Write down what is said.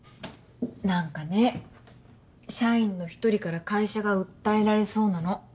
何かね社員の一人から会社が訴えられそうなの。